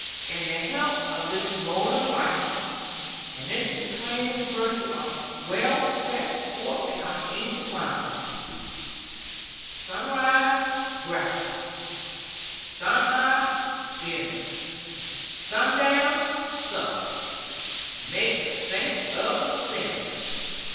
And the health of this mode of life, and its reclaiming virtue are well set forth in our ancient rhyme, Sunrise, breakfast; sun high, dinner; Sundown, sup; makes a saint of a sinner.